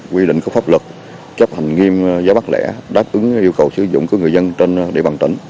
quy định của pháp luật chấp hành nghiêm giá bán lẻ đáp ứng yêu cầu sử dụng của người dân trên địa bàn tỉnh